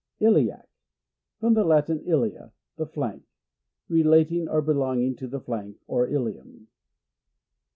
; Iliac. — From the Latin, ilia, the \ flank. Relating or belonging to > the flank or ilium.